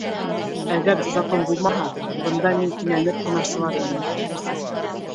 — Әгәр Закон булмаһа, бында мин кинәнеп һунарсылар инем.